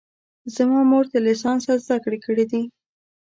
زما مور تر لیسانسه زده کړې کړي دي